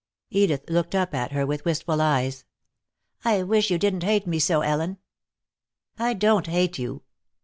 Edith looked up at her with wistful eyes. "I wish you didn't hate me so, Ellen." "I don't hate you."